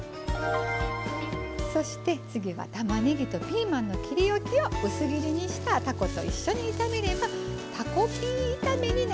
そして次はたまねぎとピーマンの切りおきを薄切りにしたたこと一緒に炒めればたこピー炒めになります。